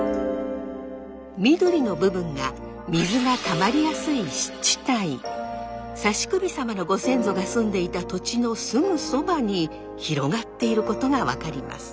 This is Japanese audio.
緑の部分が水がたまりやすい指首様のご先祖が住んでいた土地のすぐそばに広がっていることが分かります。